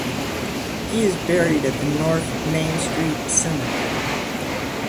He is buried at the North Main Street Cemetery.